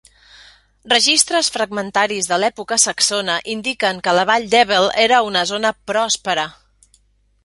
Registres fragmentaris de l'època saxona indiquen que la vall d'Ebble era una zona pròspera.